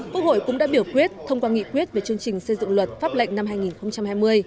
quốc hội cũng đã biểu quyết thông qua nghị quyết về chương trình xây dựng luật pháp lệnh năm hai nghìn hai mươi